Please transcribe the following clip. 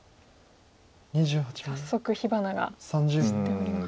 早速火花が散っております。